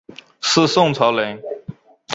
是宋朝人。